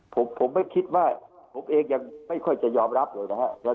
ผมไม่คิดว่าผมเองยังไม่ค่อยจะยอมรับเลยนะครับ